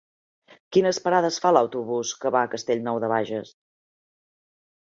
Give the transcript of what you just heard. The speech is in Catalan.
Quines parades fa l'autobús que va a Castellnou de Bages?